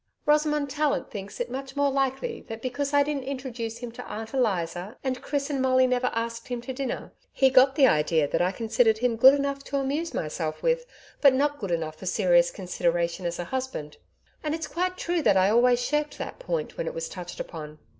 Rosamond Tallant thinks it much more likely that because I didn't introduce him to Aunt Eliza, and Chris and Molly never asked him to dinner, he got the idea that I considered him good enough to amuse myself with, but not good enough for serious consideration as a husband. And it's quite true that I always shirked that point when it was touched upon.